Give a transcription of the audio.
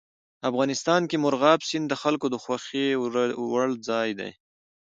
افغانستان کې مورغاب سیند د خلکو د خوښې وړ ځای دی.